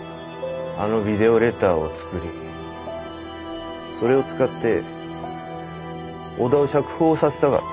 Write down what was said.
あのビデオレターを作りそれを使って小田を釈放させたかった。